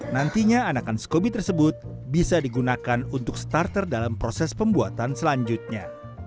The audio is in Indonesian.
nantinya anakan skobi tersebut bisa digunakan untuk starter dalam proses pembuatan selanjutnya